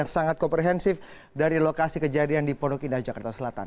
sangat komprehensif dari lokasi kejadian di pondok indah jakarta selatan